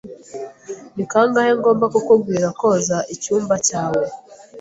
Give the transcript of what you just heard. Ni kangahe ngomba kukubwira koza icyumba cyawe?